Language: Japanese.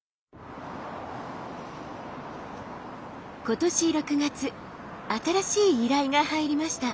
今年６月新しい依頼が入りました。